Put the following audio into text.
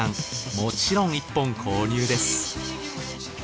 もちろん１本購入です。